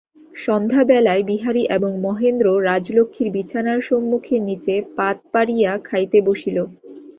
সন্ধ্যাবেলায় বিহারী এবং মহেন্দ্র রাজলক্ষ্মীর বিছানার সম্মুখে নীচে পাত পাড়িয়া খাইতে বসিল।